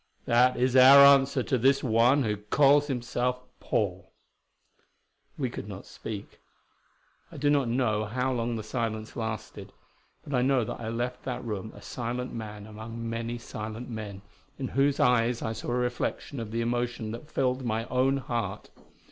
That is our answer to this one who calls himself 'Paul.'" We could not speak; I do not know how long the silence lasted. But I know that I left that room a silent man among many silent men, in whose eyes I saw a reflection of the emotion that filled my own heart.